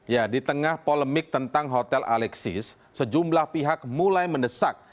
ya di tengah polemik tentang hotel alexis sejumlah pihak mulai mendesak